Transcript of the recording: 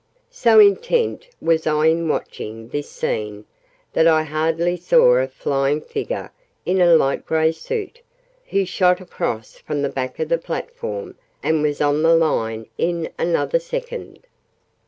So intent was I in watching this scene, that I hardly saw a flying figure in a light grey suit, who shot across from the back of the platform, and was on the line in another second.